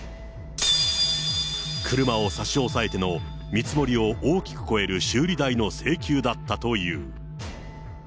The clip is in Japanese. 車を差し押さえての見積もりを大きく超える修理代の請求だったという。